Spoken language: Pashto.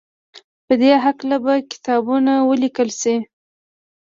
په دې هکله به کتابونه وليکل شي.